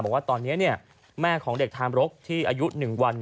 บอกว่าตอนนี้แม่ของเด็กทามรกที่อายุ๑วัน